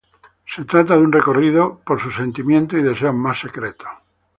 Se trata de un recorrido por sus sentimientos y deseos más secretos.